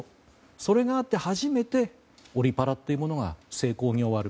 それがあって初めてオリパラというものが成功に終わる。